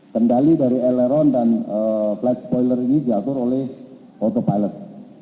kendali dari aleron dan flight spoiler ini diatur oleh autopilot